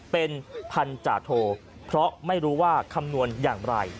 เป็นพันธาโทเพราะไม่รู้ว่าคำนวณอย่างไร